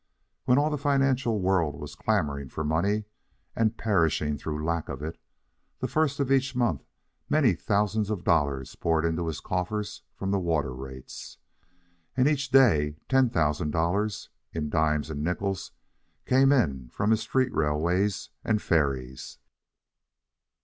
When all the financial world was clamoring for money and perishing through lack of it, the first of each month many thousands of dollars poured into his coffers from the water rates, and each day ten thousand dollars, in dime and nickels, came in from his street railways and ferries.